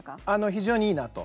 非常にいいなと。